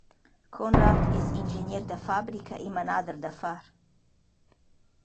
Conrad es indschegner da fabrica e manader d’affar.